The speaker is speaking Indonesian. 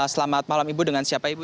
selamat malam ibu dengan siapa ibu